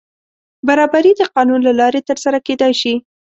برابري د قانون له لارې تر سره کېدای شي.